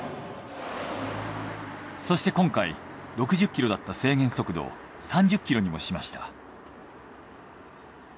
そして今回６０キロだった制限速度を３０キロにもしました。